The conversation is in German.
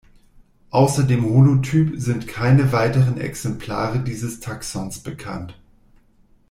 Außer dem Holotyp sind keine weiteren Exemplare dieses Taxons bekannt.